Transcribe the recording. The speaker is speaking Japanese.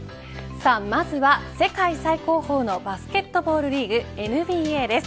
まずは世界最高峰のバスケットボールリーグＮＢＡです。